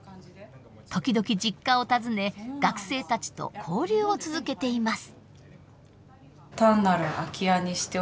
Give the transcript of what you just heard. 時々実家を訪ね学生たちと交流を続けています。